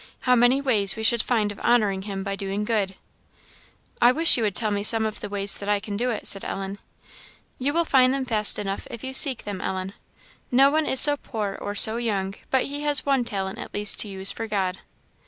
how many ways we should find of honouring him by doing good." "I wish you would tell me some of the ways that I can do it," said Ellen. "You will find them fast enough if you seek them, Ellen. No one is so poor or so young but he has one talent at least to use for God."